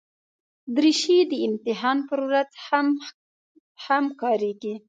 دریشي د امتحان پر ورځ هم کارېږي.